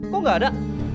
kok gak ada